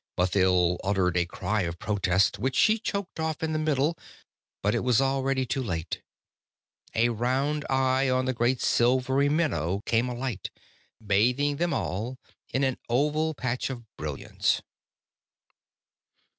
Mathild uttered a cry of protest, which she choked off in the middle; but it was already too late. A round eye on the great silver minnow came alight, bathing them all in an oval patch of brilliance.